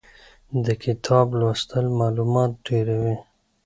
د کتاب لوستل مالومات ډېروي.